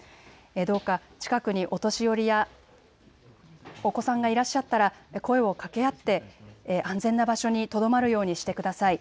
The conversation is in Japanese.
どうか近くにお年寄りやお子さんがいらっしゃったら声をかけ合って安全な場所にとどまるようにしてください。